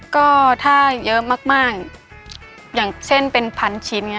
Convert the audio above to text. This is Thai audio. ก็ถ้าเยอะมากอย่างเช่นเป็นพันชิ้น